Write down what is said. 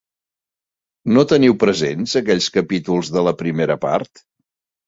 No teniu presents aquells capítols de la primera part?